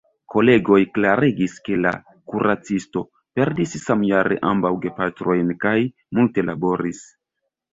Kolegoj klarigis ke la kuracisto perdis samjare ambaŭ gepatrojn kaj multe laboris.